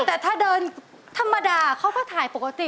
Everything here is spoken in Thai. แต่ถ้าเดินธรรมดาเขาก็ถ่ายปกติ